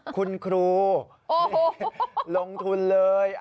คุณครูนี่ลงทุนเลย